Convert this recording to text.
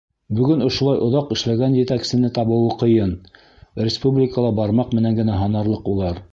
Бөгөн ошолай оҙаҡ эшләгән етәксене табыуы ҡыйын, республикала бармаҡ менән генә һанарлыҡ улар.